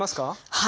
はい。